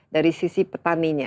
dari sisi petaninya